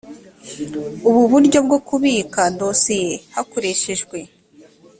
ubu buryo bwo kubika dosiye hakoreshejwe